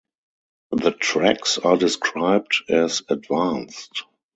The tracks are described as advanced.